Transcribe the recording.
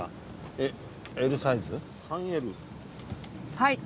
はい。